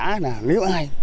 thứ hai là nếu ai